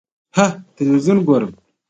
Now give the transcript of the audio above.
ه تلویزیون ګورم.